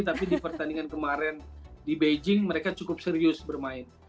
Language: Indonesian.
tapi di pertandingan kemarin di beijing mereka cukup serius bermain